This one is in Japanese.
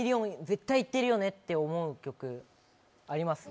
絶対いってるよねって思う曲あります？